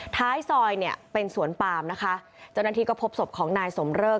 ท้ายซอยเป็นสวนปาล์มจากนั้นที่ก็พบศพของนายสมเริก